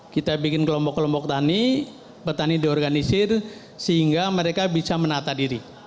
kita bikin kelompok kelompok tani petani diorganisir sehingga mereka bisa menata diri